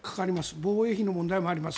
防衛費の問題もあります。